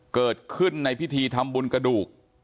เกิดขึ้นในพิธีทำบุญกระดูก